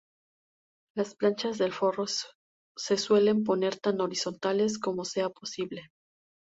Las planchas del forro se suelen poner tan horizontales como sea posible.